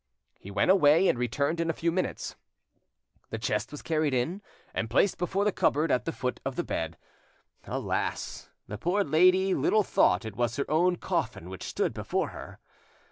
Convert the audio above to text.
He went away, and returned in a few minutes. The chest was carried in, and placed before the cupboard at the foot of the bed. Alas! the poor lady little thought it was her own coffin which stood before her!